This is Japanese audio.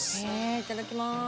いただきまーす。